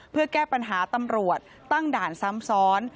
เพื่อแก้ปัญหาตำรวจตั้งด่านซ้ำซ้อน